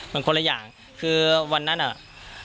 มันคนละอย่างคือวันนั้นอ่ะ